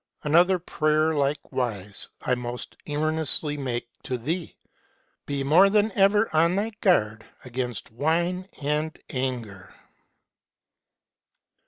Another prayer likewise I most earnestly make to thee : Be more than ever on thy guard against wine and anger.'